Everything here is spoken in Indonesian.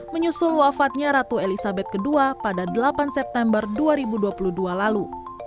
menyusul wafatnya ratu elizabeth ii pada delapan september dua ribu dua puluh dua lalu